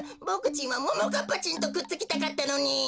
ボクちんはももかっぱちんとくっつきたかったのに。